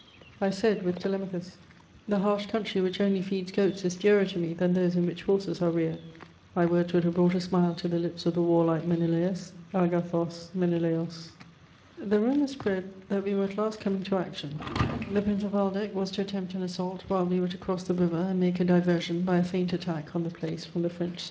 I said with Telemachus: "The harsh country which only feeds goats is dearer to me than those in which horses are reared." My words would have brought a smile to the lips of the warlike Menelaus: άγάθος Μενἐλαος. The rumour spread that we were at last coming to action; the Prince of Waldeck was to attempt an assault while we were to cross the river and make a diversion by a feint attack on the place from the French side.